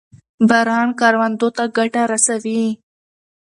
باران کروندو ته ګټه رسوي.